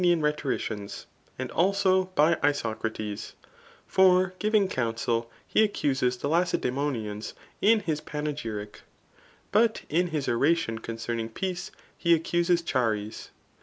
Adiettaa rhetoriciaiis, and abb by Isb^ Forgiyiag counsel he accuses the Lacedaemonianst in his Buo^y tic; but in his oration concerning Peace, he accuses Chares.